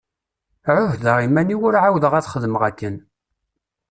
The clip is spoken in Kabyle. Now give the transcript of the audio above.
Ԑuhdeɣ iman-iw ur εawdeɣ ad xedmeɣ akken.